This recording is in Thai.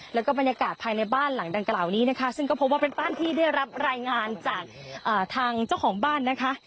แล้วก็บรรยากาศภายในบ้านหลังดังกล่าวนี้นะคะซึ่งก็พบว่าเป็นบ้านที่ได้รับรายงานจากทางเจ้าของบ้านนะคะ